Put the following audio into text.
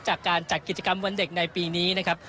จากการจัดกิจกรรมวันเด็กในปีนี้นะครับ